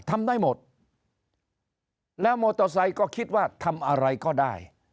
ทำได้หมดแล้วมอเตอร์ไซค์ก็คิดว่าทำอะไรก็ได้